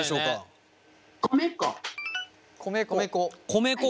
米粉。